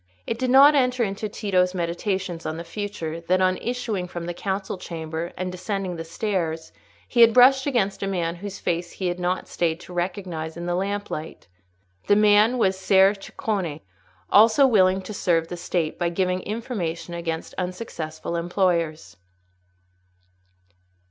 It did not enter into Tito's meditations on the future, that, on issuing from the council chamber and descending the stairs, he had brushed against a man whose face he had not stayed to recognise in the lamplight. The man was Ser Ceccone—also willing to serve the State by giving information against unsuccessful employers.